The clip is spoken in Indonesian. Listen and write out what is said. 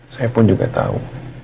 saya pun juga tahu